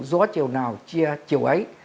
gió chiều nào chia chiều ấy